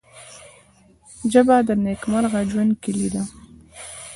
ژبه د نیکمرغه ژوند کلۍ ده